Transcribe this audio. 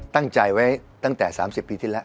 ตั้งใจไว้ตั้งแต่๓๐ปีที่แล้ว